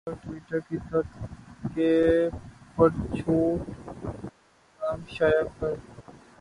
کل ٹیوٹر کی طرز کے پر چھوٹ پیغام شائع کر